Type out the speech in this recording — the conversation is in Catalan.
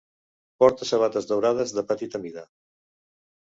Porta sabates daurades de petita mida.